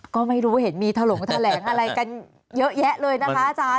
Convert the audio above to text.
ก็ไม่รู้เห็นมีถลงแถลงอะไรกันเยอะแยะเลยนะคะอาจารย์